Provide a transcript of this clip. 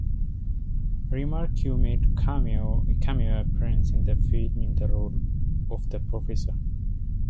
Remarque made a cameo appearance in the film in the role of the Professor.